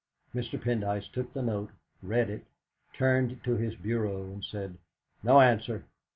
Mr. Pendyce took the note, read it, turned to his bureau, and said: "No answer."